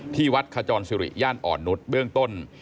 ที่วัดขจรสิริย่านอ่อนนุษย์เบื้องต้น